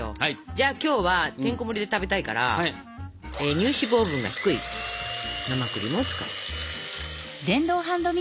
じゃあ今日はてんこもりで食べたいから乳脂肪分が低い生クリームを使います。